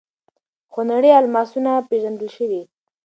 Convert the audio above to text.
خونړي الماسونه پېژندل شوي.